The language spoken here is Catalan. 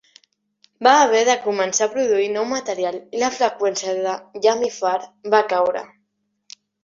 Va haver de començar a produir nou material i la freqüència de "Yummy Fur" va caure.